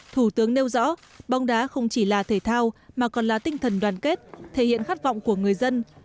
thủ tướng nêu rõ bóng đá không chỉ là thể thao mà còn là tinh thần đoàn kết thể hiện khát vọng của người dân